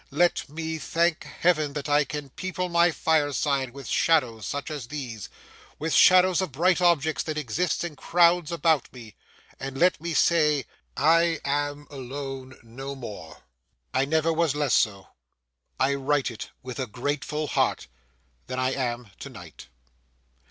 Let me thank Heaven that I can people my fireside with shadows such as these; with shadows of bright objects that exist in crowds about me; and let me say, 'I am alone no more.' I never was less so—I write it with a grateful heart—than I am to night.